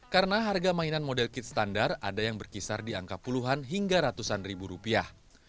karena harga mainan model kit standar ada yang berkisar di angka puluhan hingga ratusan ribu rupiah